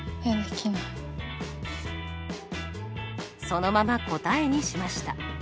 そのまま答えにしました。